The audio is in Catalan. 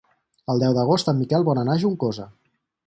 El deu d'agost en Miquel vol anar a Juncosa.